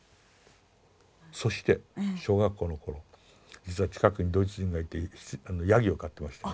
そして小学校の頃実は近くにドイツ人がいてヤギを飼ってましてね。